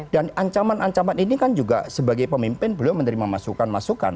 dan ancaman ancaman ini kan juga sebagai pemimpin belum menerima masukan masukan